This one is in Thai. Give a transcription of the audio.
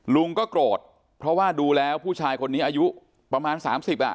ลุงก็โกรธเพราะว่าดูแล้วผู้ชายคนนี้อายุประมาณ๓๐อ่ะ